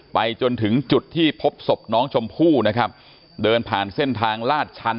ไปจนถึงจุดที่พบศพน้องชมพู่นะครับเดินผ่านเส้นทางลาดชัน